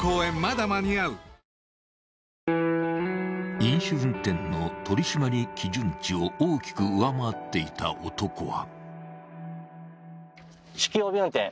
飲酒運転の取り締まり基準値を大きく上回っていた男は。